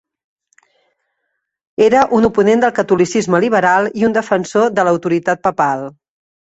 Era un oponent del catolicisme liberal i un defensor de l'autoritat papal.